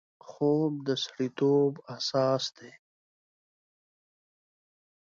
خوب د سړیتوب اساس دی